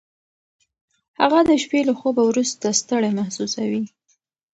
هغه د شپې له خوبه وروسته ستړی محسوسوي.